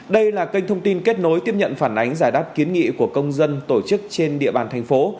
đây là kênh thông tin kết nối tiếp nhận phản ánh giải đáp kiến nghị của công dân tổ chức trên địa bàn thành phố